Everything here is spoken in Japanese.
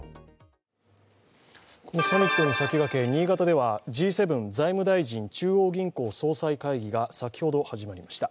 サミットに先駆け新潟ではＧ７財務大臣・中央銀行総裁会議が先ほど始まりました。